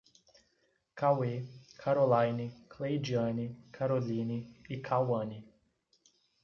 Caue, Carolaine, Cleidiane, Karoline e Kauane